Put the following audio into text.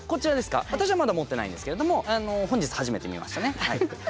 私はまだ持ってないんですけれども本日初めて見ましたね。